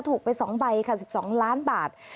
ถูกไป๒ใบค่ะ๑๒ล้านบาท